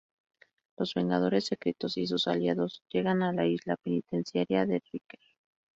Los Vengadores Secretos y sus aliados llegan a la Isla Penitenciaria de Riker.